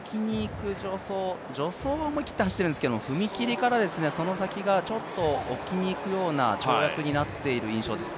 助走は思い切って走ってるんですけど、踏み切りからその先がちょっと置きに行くような跳躍になっている印象です。